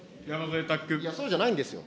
いや、そうじゃないんですよ。